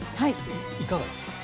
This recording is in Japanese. いかがですか？